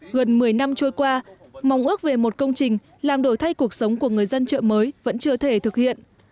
gần một mươi năm trôi qua mong ước về một công trình làm đổi thay cuộc sống của người dân chợ mới vẫn chưa thể thực hiện